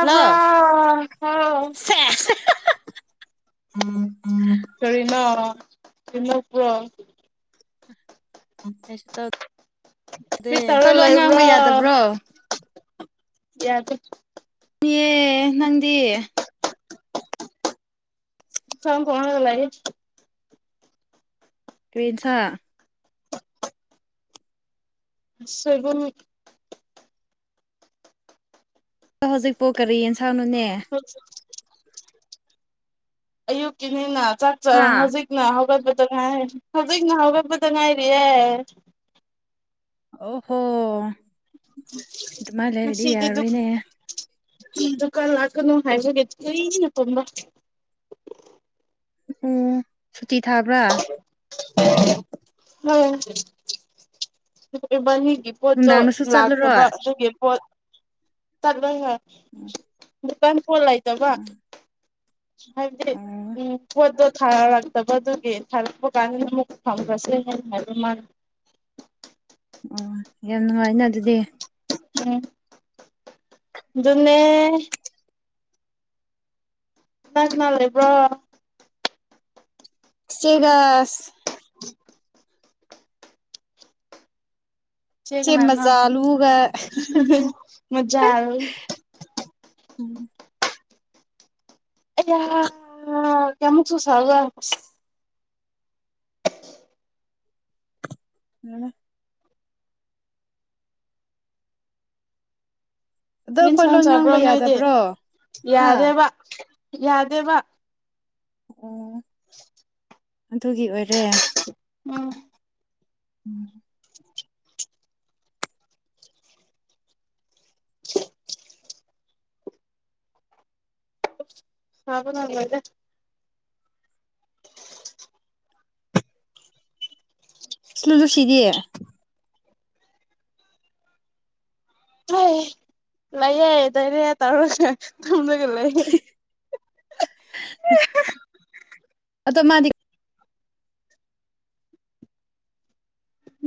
hello ꯎꯝ ꯀꯔꯤꯅꯣ ꯁꯤꯃꯛ ꯄ꯭ꯔꯣ ꯑꯣꯐꯤꯁꯇꯥ ꯗꯦ ꯀꯔꯤ ꯇꯧ ꯇꯧꯔ ꯍꯣꯏ ꯂꯣꯏ ꯉꯥꯡꯕ ꯂꯩꯕ꯭ꯔꯣ ꯌꯥꯗꯕ꯭ꯔꯣ ꯌꯥꯗꯦ ꯌꯦ ꯅꯪꯗꯤ ꯏꯟꯁꯥꯡ ꯊꯣꯡ ꯂꯒꯥ ꯂꯩꯌꯦ ꯀꯔꯤ ꯏꯟꯁꯥꯡ ꯁꯣꯏꯕꯨꯝ ꯑꯗꯣ ꯍꯧꯖꯤꯛꯄꯣ ꯀꯔꯤ ꯌꯦꯟꯁꯥꯡꯅꯣꯅꯦ ꯑꯌꯨꯛꯀꯤꯅꯤꯅ ꯆꯥꯛ ꯍꯥ ꯆꯔꯥ ꯍꯧꯖꯤꯛꯅ ꯍꯧꯒꯠꯄꯥ ꯉꯥꯏ ꯍꯧꯖꯤꯛꯅ ꯍꯧꯒꯠ ꯄꯗꯥ ꯉꯥꯏꯔꯤꯌꯦ ꯑꯣ ꯍꯣ ꯑꯗꯨꯃꯥꯏꯅ ꯂꯩꯔꯗꯤ ꯉꯁꯤꯗꯤ ꯗꯨꯛ ꯌꯥꯔꯣꯏꯅꯦ ꯗꯨꯀꯥꯟ ꯂꯥꯛꯀꯅꯨ ꯍꯥꯏꯕꯒꯦ ꯀꯨꯏꯅ ꯇꯨꯝꯕꯥ ꯑꯣ ꯁꯨꯇꯤ ꯊꯥꯕ꯭ꯔꯥ ꯍꯣꯏ ꯏꯕꯥꯟꯅꯤ ꯄꯣꯠꯇꯣ ꯅꯨꯡꯗꯥꯡꯗꯁꯨ ꯂꯥꯛꯇꯕ ꯆꯠꯂꯔꯣꯏ ꯑꯗꯨꯒꯤ ꯄꯣꯠ ꯆꯠꯂ ꯎꯝ ꯗꯨꯀꯥꯟ ꯄꯣꯠ ꯂꯩꯇꯕ ꯍꯥꯏꯕꯗꯤ ꯑꯣ ꯎꯝ ꯄꯣꯠꯇꯣ ꯊꯥꯔꯛꯇꯕꯗꯨꯒꯤ ꯊꯥꯔꯛꯄ ꯀꯥꯟꯗꯅ ꯑꯃꯨꯛ ꯐꯪꯈ꯭ꯔꯁꯦꯅ ꯍꯥꯏꯕ ꯃꯥꯅꯥ ꯑꯣ ꯌꯥꯝ ꯅꯨꯡꯉꯥꯏꯅꯥ ꯑꯗꯨꯗꯤ ꯎꯝ ꯑꯗꯨꯅꯦ ꯅꯛꯅꯥ ꯂꯩꯕ꯭ꯔꯣ ꯁꯤ ꯗꯥꯁ [unintelligible] ꯆꯦ ꯃꯖꯥꯂꯨꯒ ꯃꯖꯥꯔ ꯎꯝ ꯑꯩꯌꯥ ꯀꯌꯥꯃꯨꯛꯁꯨ ꯁꯒ ꯌꯥꯔꯦ ꯑꯗꯣ ꯀꯔꯤ ꯑꯩꯈꯣꯏ ꯏꯟꯁꯥꯡ ꯂꯣꯟ ꯆꯕ꯭ꯔꯣ ꯉꯥꯡꯕ ꯅꯣꯏꯗꯤ ꯌꯥꯗꯕ꯭ꯔꯣ ꯍꯥ ꯌꯥꯔꯦꯕ ꯌꯥꯗꯦ ꯕꯥ ꯑꯣ ꯑꯗꯨꯒꯤ ꯑꯣꯏꯔꯦ ꯎꯝ ꯎꯝ [unintelligible] ꯍꯥꯏꯕꯗꯗ ꯁꯂꯨ ꯂꯨꯁꯤꯗꯤꯌꯦ ꯍ ꯂꯩꯌꯦꯦꯗꯅꯦ ꯇꯔ ꯁꯖꯒꯂ ꯑꯗꯣ ꯃꯥꯗꯤ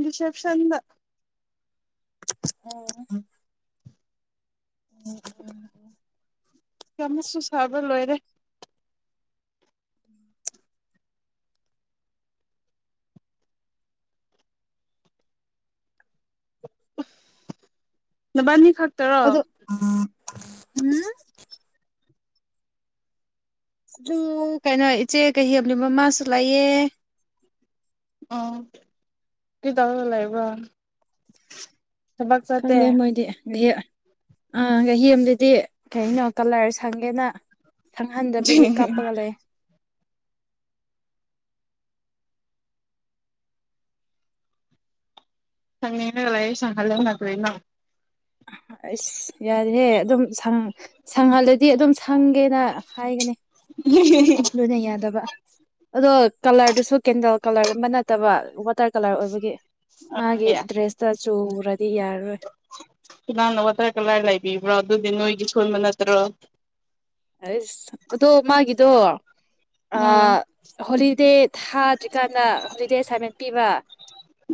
ꯔꯤꯁꯦꯞꯁꯟꯗ ꯑꯣ ꯀꯃꯛꯁꯨ ꯁꯕ ꯂꯣꯏꯔꯦ ꯅꯕꯥꯅꯤ ꯈꯥꯛ ꯑꯗꯣ ꯎ ꯀꯩꯅꯣ ꯏꯆꯦ ꯀꯩ ꯍꯦꯝꯂꯤ ꯃꯃꯥꯁꯨ ꯂꯥꯛꯑꯦ ꯑ ꯀ ꯇ ꯂꯩꯕ꯭ꯔꯣ ꯊꯕꯛ ꯆꯠꯇꯦ ꯈꯪꯗꯦ ꯃꯣꯏꯗꯤ ꯑ ꯗꯤ ꯀꯩꯅꯣ ꯀꯂꯔ ꯁꯪꯒꯦꯅ ꯁꯪꯍꯟꯗꯕꯒꯤ ꯀꯥꯞꯄꯒ ꯂꯩ ꯁꯪꯅꯤꯡꯅ ꯂꯩꯥꯏ ꯁꯪꯍꯜꯂꯣꯅ ꯀꯔꯤꯅꯣ ꯑꯁ ꯌꯥꯔꯤꯍꯦ ꯑꯗꯨꯝ ꯁꯪ ꯁꯪꯍꯥꯟꯗꯗꯤ ꯑꯗꯨꯝ ꯁꯪꯒꯦꯅ ꯍꯥꯏꯒꯅꯤ ꯂꯣꯏꯅ ꯌꯥꯗꯕ ꯑꯗꯣ ꯀꯂꯔꯗꯨꯁꯨ ꯀꯦꯟꯗꯦꯜ ꯀꯂꯔꯒꯨꯝꯕ ꯅꯠꯇꯕ ꯇꯥꯔ ꯀꯂꯔ ꯑꯣꯏꯕꯒꯤ ꯃꯥꯒꯤ ꯗ꯭ꯔꯦꯁꯇ ꯆꯨꯔ ꯅꯋꯥ ꯀꯂꯥꯏꯔꯂ ꯂꯩꯕꯤ ꯏꯕ꯭ꯔꯣ ꯑꯗꯨꯗꯤ ꯁ ꯃꯅꯠꯇ꯭ꯔ ꯑꯁ ꯑꯗꯣ ꯃꯥꯒꯤꯗꯣ ꯎꯝ ꯍꯣꯂꯤꯗꯦ ꯊꯥꯗ꯭ꯔꯤꯀꯥꯟꯗ ꯍꯣꯂꯤꯗꯦ ꯑꯦꯁꯥꯏꯟꯃꯦꯟ ꯄꯤꯕ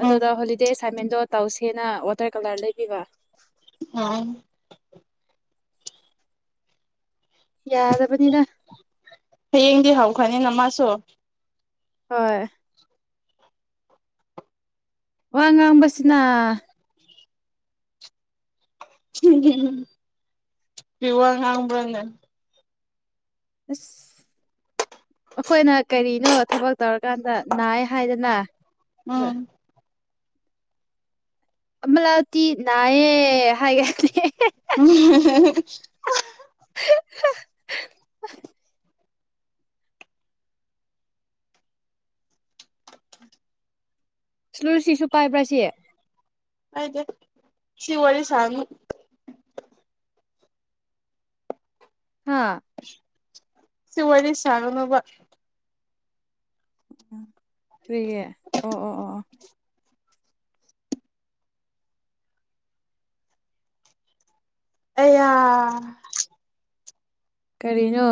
ꯑꯗꯨꯗ ꯎꯝ ꯍꯣꯂꯤꯗꯦ ꯁꯥꯏꯃꯦꯟꯗꯣ ꯇꯧꯁꯦꯅ ꯋꯥꯇꯔ ꯀꯂꯔ ꯂꯩꯕꯤꯕ ꯑꯝ ꯌꯥꯗꯕꯅꯤꯗ ꯍꯌꯦꯡꯗꯤ ꯍꯧꯈ꯭ꯔꯅꯤ ꯅ ꯃꯥꯁꯨ ꯍꯣꯏ ꯋꯥ ꯋꯥꯥꯡꯕꯕꯁꯤꯅ ꯄ ꯋꯥ ꯉꯥꯡꯕ꯭ꯔꯅꯦ ꯑꯁ ꯑꯩꯈꯣꯏꯅ ꯀꯔꯤꯅꯣ ꯊꯕꯛ ꯇꯧꯔꯀꯥꯟꯗ ꯅꯥꯏ ꯍꯥꯏꯗꯅ ꯑ ꯎꯝ ꯑꯃꯂ ꯑꯇꯤ ꯅꯥꯑꯌꯦ ꯍꯥꯏꯒꯥꯏ ꯎꯝ [unintelligible] ꯁꯂꯨ ꯁꯤꯁꯨ ꯄꯥꯏꯕ꯭ꯔꯥ ꯁꯤꯦ ꯑꯗꯤ ꯁꯤꯋꯥꯂꯤ ꯁꯅ ꯍꯥꯥ ꯁꯤ ꯋꯥꯔꯤꯔꯤ ꯁꯥꯉꯅꯕ ꯎ ꯐꯔꯤꯌꯦ ꯑꯣ ꯑꯣ ꯑꯣ ꯑꯌꯥ ꯀꯔꯤꯅꯣ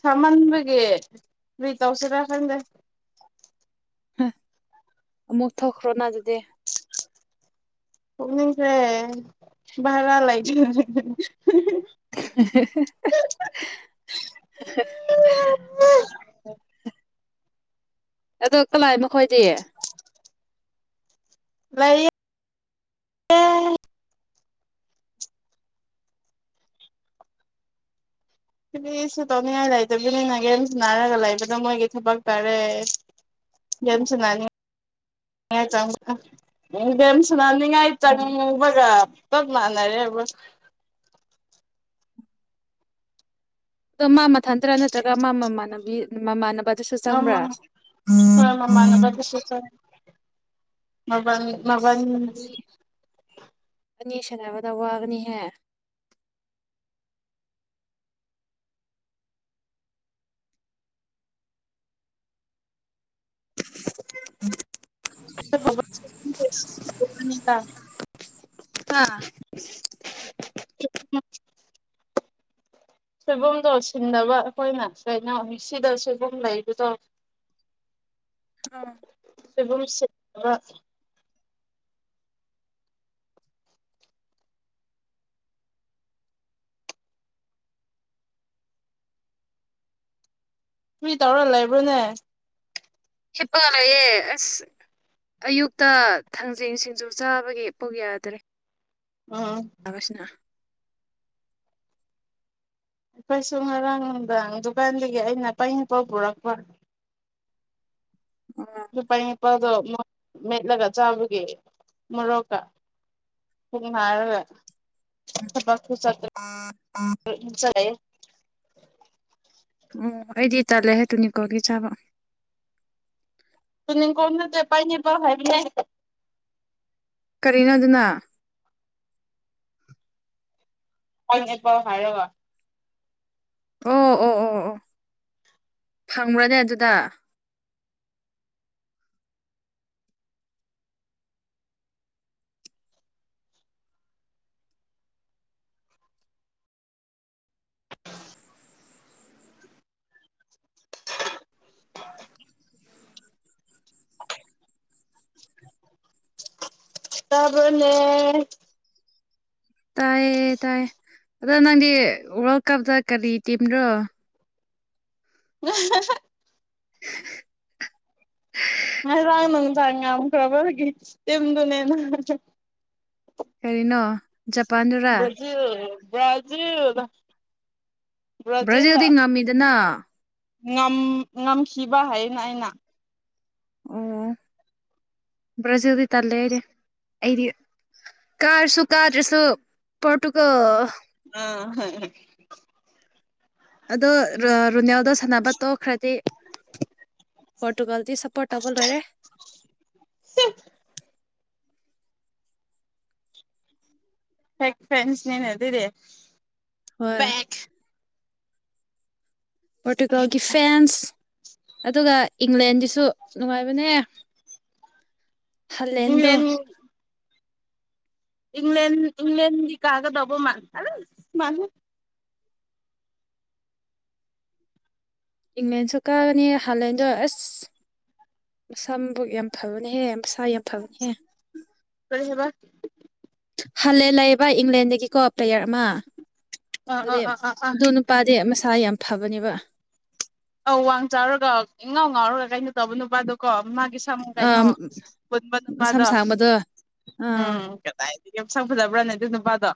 ꯁꯥꯃꯟꯕꯒꯤ ꯇꯧꯁꯤꯔꯥ ꯈꯪꯗꯦ ꯑꯃꯨꯛ ꯊꯣꯛꯈ꯭ꯔꯣꯅ ꯑꯗꯨꯗꯤ ꯑꯣꯁꯦ ꯚꯔꯥ ꯂꯩꯥꯏ [unintelligible] [unintelligible] ꯑꯗꯣ ꯀꯅꯥꯥꯏ ꯃꯈꯣꯏꯗꯤ ꯂꯩ ꯐꯗꯤꯁꯨ ꯇꯧꯅꯤꯡꯉꯥꯏ ꯂꯩꯇꯕꯅꯤꯅ ꯒꯦꯝ ꯁꯅꯥꯔꯒ ꯂꯩꯕꯗꯣ ꯃꯣꯏꯒꯤ ꯊꯕꯛ ꯇꯥꯔꯦ ꯗꯁꯟꯅꯤ ꯆ ꯗꯁ ꯊꯅꯅꯤꯡꯉꯥꯏ ꯑꯣ ꯆꯪꯕꯒ ꯄꯨꯞ ꯃꯥꯟꯅꯔꯦꯕ ꯑꯗꯣ ꯃꯥ ꯃꯊꯥ ꯇꯔꯥ ꯅꯠꯇ꯭ꯔꯒ ꯃꯥ ꯃꯃꯥꯟꯅꯕꯤ ꯃꯃꯥꯟ ꯄꯗꯨꯁꯨ ꯆꯪꯕ꯭ꯔꯥ ꯑꯃ ꯍꯣꯏ ꯃꯃꯥꯟꯅꯕꯗꯨꯁꯨ ꯃꯃꯟ ꯃꯃꯟ ꯑꯅꯤ ꯑꯅꯤ ꯁꯥꯟꯅꯕꯗ ꯋꯥꯒꯅꯤꯍꯦ ꯎꯝ [unintelligible] ꯑ ꯎꯝ [unintelligible] ꯁꯣꯏꯕꯨꯝꯗꯣ ꯁꯤꯟꯗꯕ ꯑꯩꯈꯣꯏꯅ ꯀꯩꯅꯣ ꯁꯤꯗ ꯁꯣꯏꯕꯨꯝ ꯂꯩꯕꯗꯣ ꯍ [unintelligible] ꯁꯣꯏꯕꯨꯝ ꯁꯤꯠꯕ ꯀ꯭ꯔꯤ ꯇꯧꯔꯥ ꯂꯩꯕ꯭ꯔꯥꯅꯦ ꯍꯤꯄꯥꯒ ꯂꯩꯌꯦ ꯑꯁ ꯑꯌꯨꯛꯇ ꯊꯥꯡꯖꯤꯟ ꯁꯤꯡꯖꯨ ꯆꯥꯕꯒꯤ ꯄꯨꯛ ꯌꯥꯗ꯭ꯔꯦ ꯎꯝ ꯊꯁꯅ [unintelligible] ꯑꯩꯈꯣꯏꯁꯨ ꯉꯔꯥꯡ ꯅꯨꯡꯗꯥꯡ ꯗꯨꯀꯥꯟꯗꯒꯤ ꯑꯩꯅ ꯄꯥꯏꯌꯤꯡꯄꯧ ꯄꯨꯔꯛꯄ ꯑꯣ ꯄꯥꯏꯅꯤꯄꯥꯜꯗꯣ ꯃꯦꯠꯂꯒ ꯆꯥꯕꯒꯤ ꯃꯣꯔꯣꯛꯀ ꯄꯨꯛ ꯅꯥꯌꯦ ꯊꯥꯕꯛꯁꯨ ꯆꯠꯇ꯭ꯔꯦ ꯗ ꯥꯂꯩꯌꯦ ꯑꯝ ꯑꯩꯗꯤ ꯇꯜꯂꯦꯍꯦ ꯇꯨꯅꯤꯀꯣꯛꯒꯤ ꯆꯥꯕ ꯇꯨꯅꯤꯛꯀꯣꯛ ꯅꯠꯇꯦ ꯄꯥꯏꯟꯑꯦꯄꯜ ꯍꯥꯏꯕꯅꯦ ꯀꯥꯔꯤꯅꯣ ꯑꯗꯨꯅ ꯄꯥꯏꯟꯑꯦꯄꯜ ꯍꯥꯏꯔꯒ ꯑꯣ-ꯑꯣ-ꯑꯣ-ꯑꯣ ꯐꯪꯕ꯭ꯔꯅꯦ ꯑꯗꯨꯗ ꯇꯥꯕꯥꯅꯦ ꯇꯥꯏꯌꯦ ꯇꯥꯏꯌꯦ ꯑꯗꯣ ꯅꯪꯗꯤ ꯋꯥ꯭ꯔꯜ ꯀꯞꯇ ꯀꯥꯔꯤ ꯇꯤꯝꯔꯣ [unintelligible] [unintelligible] ꯉꯔꯥꯡꯅ ꯅꯨꯡꯗꯥꯡ ꯉꯝꯈ꯭ꯔꯕꯔꯒꯤ ꯇꯤꯟꯗꯨꯅꯦ ꯀꯔꯤꯅꯣ ꯖꯄꯥꯟꯗꯨꯔꯥ ꯕ꯭ꯔꯖꯤꯜ ꯕ꯭ꯔꯥꯖꯤꯜ ꯕ꯭ꯔꯥꯖꯤꯜꯗꯤ ꯕ꯭ꯔꯥꯖꯤꯜꯂ ꯉꯝꯃꯤꯗꯅ ꯉꯝ ꯉꯝꯈꯤꯕ ꯍꯥꯏꯌꯦꯅ ꯑꯩꯅ ꯑꯣ ꯕ꯭ꯔꯖꯤꯜꯗꯤ ꯇꯜꯂꯦ ꯑꯩꯗꯤ ꯑꯩꯗꯤ ꯀꯥꯔꯥꯁꯨ ꯀꯥꯗ꯭ꯔꯥꯁꯨ ꯄꯣꯔꯇꯨꯒꯜ ꯑꯥ ꯑꯗꯣ ꯔꯣ ꯔꯣꯅꯥꯜꯗꯣ ꯁꯥꯟꯅꯕ ꯇꯣꯛꯈ꯭ꯔꯥꯗꯤ ꯄꯣꯔꯇꯨꯒꯜꯗꯤ ꯁꯥꯄꯣ꯭ꯔꯠ ꯇꯧꯕ ꯂꯣꯏꯔꯦ ꯐꯦꯛ ꯐꯦꯟꯁꯅꯤꯅꯦ ꯑꯗꯨꯗꯤ ꯍꯣꯏ ꯐꯦꯛ ꯄꯣꯔꯇꯨꯒꯜꯒꯤ ꯐꯦꯟꯁ ꯑꯗꯨꯒ ꯏꯪꯂꯦꯟꯒꯤꯁꯨ ꯅꯨꯡꯉꯥꯏꯕꯅꯦ ꯍꯥꯂꯦꯟꯗꯣ ꯏꯪꯂꯦꯟ ꯏꯪꯂꯦꯟ ꯏꯪꯪꯂꯦꯟꯗꯤ ꯀꯥꯒꯗꯕ ꯃꯥꯥꯟ ꯑꯧ ꯃꯥꯥꯟꯂꯦ ꯏꯪꯂꯦꯟꯁꯨ ꯀꯥꯒꯅꯤ ꯍꯥꯂꯦꯟꯗꯣ ꯑꯁ ꯃꯁꯝꯕꯨꯛ ꯌꯥꯝ ꯐꯕꯅꯦꯍꯦ ꯃꯁꯥ ꯌꯥꯝ ꯐꯕꯅꯦꯍꯦ ꯍꯕ [unintelligible] ꯍꯜꯂꯦ ꯂꯩꯌꯦꯕ ꯏꯪꯂꯦꯟꯗꯒꯤꯀꯣ ꯄꯦꯌꯔ ꯑꯃ ꯑꯥ ꯑꯥ ꯑꯗꯨꯗꯤ ꯑꯥ ꯑꯥ ꯑꯥ ꯑꯗꯨ ꯅꯨꯄꯥꯗꯤ ꯃꯁꯥ ꯌꯥꯝ ꯐꯥꯕꯅꯦꯕ ꯑꯧ ꯋꯥꯛ ꯆꯥꯎꯔꯒ ꯏꯪꯉꯥꯎ ꯉꯥꯎꯔꯒ ꯀꯩꯅꯣ ꯇꯧꯕ ꯅꯨꯄꯥꯗꯣ ꯀꯣ ꯃꯥꯒꯤ ꯁꯝ ꯑ ꯀꯩꯅꯣ ꯄꯨꯟꯕ ꯃꯁꯝ ꯅꯨꯄꯥꯗꯣ ꯁꯥꯡꯕꯗꯣ ꯑꯥ ꯎꯝ ꯀꯗꯥꯏꯗꯒꯤ ꯃꯁꯛ ꯐꯖꯥꯕ꯭ꯔꯅꯦ ꯑꯗꯨ ꯅꯨꯄꯥꯗꯣ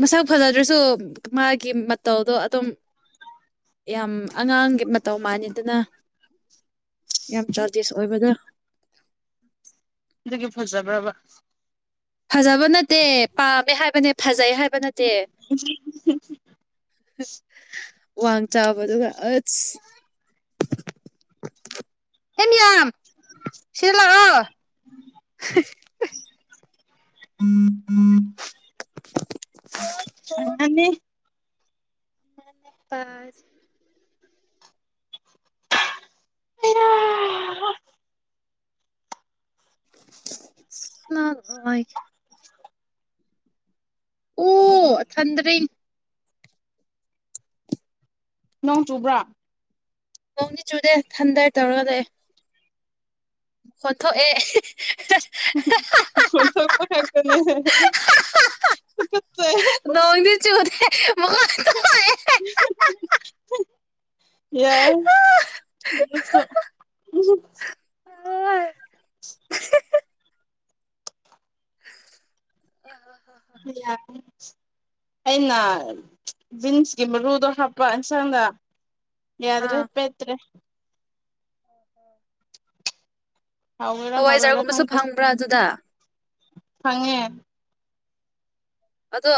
ꯃꯁꯛ ꯐꯖꯥꯗ꯭ꯔꯁꯨ ꯃꯥꯒꯤ ꯃꯇꯧꯗꯣ ꯑꯗꯨꯝ ꯌꯥꯝ ꯑꯉꯥꯡꯒꯤ ꯃꯇꯧ ꯃꯥꯟꯅꯤꯗꯅ ꯌꯥꯝ ꯆꯥꯗꯤꯁ ꯑꯣꯏꯕꯗꯣ ꯑꯗꯨꯒꯤ ꯐꯖꯕ꯭ꯔꯥꯕ ꯐꯖꯕ ꯅꯠꯇꯦ ꯄꯥꯝꯃꯦ ꯍꯥꯏꯕꯅꯦ ꯐꯖꯩ ꯍꯥꯏꯕ ꯅꯠꯇꯦ [unintelligible] ꯋꯥꯡꯆꯥꯎꯕꯒ ꯑꯁ ꯑꯦꯟ ꯏ ꯌꯥꯝ ꯁꯤꯔ ꯂꯥꯛꯑꯣ [inaudible] [unintelligible] ꯍꯅꯤ [unintelligible] ꯑꯅꯦꯄꯥ ꯂꯥꯏꯛ ꯑꯣ ꯊꯟꯗ꯭ꯔꯦ ꯅꯣꯡ ꯆꯨꯕ꯭ꯔꯥ ꯅꯣꯡꯗꯤ ꯆꯨꯗꯦ ꯊꯟꯗꯥꯏ ꯇꯧꯔꯒ ꯂꯩꯦ ꯍꯣꯊꯣ ꯑꯦ ꯊꯄ ꯀꯥꯛꯇꯅꯦ ꯂꯣꯡꯣꯡꯗꯤ ꯆꯨꯂꯦ [unintelligible] ꯌꯥꯏ [unintelligible] ꯑ ꯌꯥ ꯑꯩꯅ ꯕꯤꯟꯁꯀꯤ ꯃꯔꯨꯗꯣ ꯍꯥꯞꯄ ꯌꯦꯟꯁꯥꯡꯗ ꯌꯥꯗ꯭ꯔꯣ ꯑꯥ ꯎꯄꯇ꯭ꯔꯦ [unintelligible] ꯍꯥꯎꯥꯎꯔ ꯍꯥꯎꯋꯔ ꯍꯋꯥꯏꯖꯥꯔꯒꯨꯝꯕꯁꯨ ꯈꯗ ꯐꯪꯕ꯭ꯔꯥ ꯑꯗꯨꯗ ꯐꯉꯦ ꯑꯗꯣ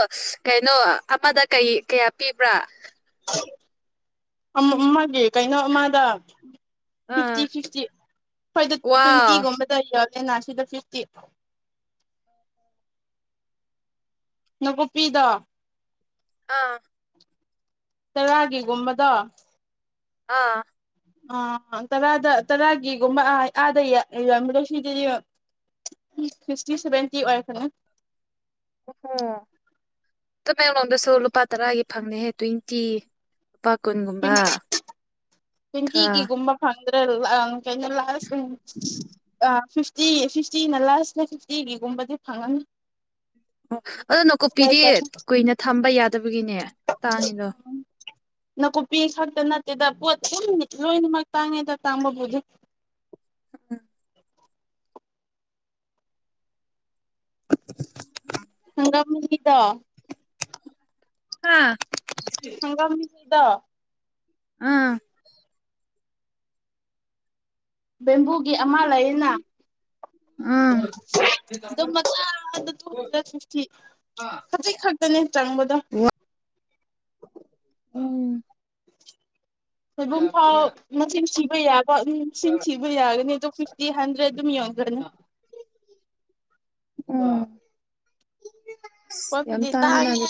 ꯀꯩꯅꯣ ꯑꯃꯗ ꯀꯩ ꯀꯌꯥ ꯄꯤꯕ꯭ꯔꯥ ꯑꯃꯒꯦ ꯀꯩꯅꯣ ꯑꯃꯗ ꯑꯥ ꯐꯤꯐꯇꯤ ꯐꯤꯐꯇꯤ ꯑꯩꯣꯏꯗ ꯋꯥꯎ ꯇ꯭ꯋꯦꯟꯇꯤꯒꯨꯝꯕꯗ ꯌꯥ ꯅꯥꯁꯤꯗ ꯐꯤꯐꯇ ꯌꯦ ꯅꯨꯀꯨꯞꯄꯤꯗ ꯑꯥ ꯇꯔꯥꯒꯤꯒꯨꯝꯕꯗ ꯑꯥ ꯑ ꯇꯔꯥꯗ ꯇꯔꯥꯒꯤꯒꯨꯝꯕ ꯑꯗ ꯏ ꯑꯝꯕ ꯂꯁꯗꯔꯤ ꯁꯤꯛꯁꯇꯤ ꯁꯦꯚꯦꯟꯇꯤ ꯑꯣꯏꯔꯛꯒꯅ ꯑꯣꯍꯣ ꯇꯃꯦꯡꯂꯣꯡꯗꯁꯨ ꯂꯨꯄꯥ ꯇꯔꯥꯒꯤ ꯐꯪꯅꯤꯍꯦ ꯇ꯭ꯋꯦꯟꯇꯤ ꯂꯨꯄꯥ ꯀꯨꯟꯒꯨꯝꯕ ꯇꯔꯥ ꯇ꯭ꯋꯦꯟꯇꯤꯒꯤꯒꯨꯝꯕ ꯐꯪꯗ꯭ꯔꯦ ꯀꯩꯅꯣ ꯂꯥꯁ ꯑ ꯐꯤꯐꯇꯤ ꯐꯤꯐꯇꯤꯅ ꯂꯥꯁꯅ ꯐꯤꯐꯇꯤꯒꯤꯒꯨꯝꯕꯗꯤ ꯐꯪꯉꯅꯤ ꯑꯣ ꯑꯗꯣ ꯀꯩ ꯅꯥꯀꯨꯞꯄꯤꯗꯤ ꯀꯩ ꯀꯨꯏꯅ ꯊꯝꯕ ꯌꯥꯗꯕꯒꯤꯅꯦ ꯇꯥꯡꯉꯗꯣ ꯅꯥꯀꯨꯞꯄꯤ ꯈꯛꯇ ꯅꯠꯇꯦꯗ ꯄꯣꯠ ꯑꯗꯨ ꯂꯣꯏꯅꯃꯛ ꯇꯥꯡꯉꯦꯗ ꯇꯥꯡꯕꯕꯨꯗꯤ ꯎꯝ [unintelligible] ꯍꯪꯒꯥꯝꯒꯤꯗ ꯍꯥꯥ ꯍꯪꯒꯥꯝ ꯀꯗ ꯑꯥ ꯕꯦꯝꯕꯨꯒꯤ ꯑꯃ ꯂꯩꯌꯦꯅ ꯑꯥ ꯑꯗꯨꯝ ꯃꯈꯥ ꯇꯨ ꯍꯟꯗ꯭ꯔꯦꯠ ꯐꯤꯇꯤ ꯅꯤ ꯆꯥꯡꯕꯗ ꯋꯥ ꯎꯝ ꯁꯣꯏꯕꯨꯝ ꯐꯥꯎ ꯃꯁꯤꯡ ꯁꯤꯕ ꯌꯥꯕꯁꯤꯡ ꯁꯤꯕ ꯌꯥꯒꯅꯤ ꯑꯗꯣ ꯐꯤꯐꯇꯤ ꯍꯟꯗ꯭ꯔꯦꯗ ꯑꯗꯨꯝ ꯌꯧꯉ ꯒꯅꯤ ꯎꯝ ꯌꯥꯝ ꯄꯣꯠꯄꯨꯗꯤ ꯇꯥꯡꯉꯦ ꯇꯥꯡꯉꯅꯗꯦ